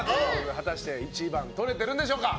果たして１番とれているんでしょうか。